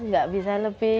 nggak bisa lebih